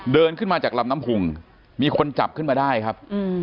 เดินขึ้นมาจากลำน้ำพุงมีคนจับขึ้นมาได้ครับ